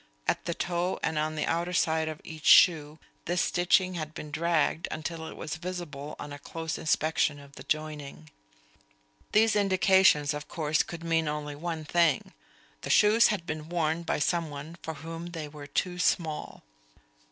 At the toe and on the outer side of each shoe this stitching had been dragged until it was visible on a close inspection of the joining. These indications, of course, could mean only one thing. The shoes had been worn by someone for whom they were too small.